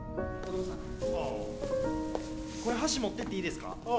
これ箸持ってっていいですか？